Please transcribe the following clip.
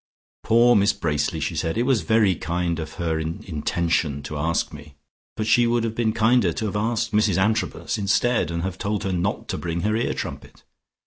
"Poor Miss Bracely!" she said. "It was very kind of her in intention to ask me, but she would have been kinder to have asked Mrs Antrobus instead, and have told her not to bring her ear trumpet.